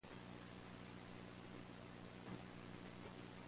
Jaime Cerda is married.